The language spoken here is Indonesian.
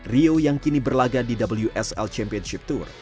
rio yang kini berlagak di wsl championship tour